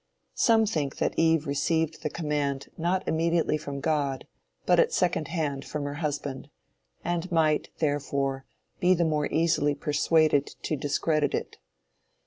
Some think that Eve received the command not immediately from God, but at second hand from her husband, and might, therefore, be the more easily persuaded to discredit it.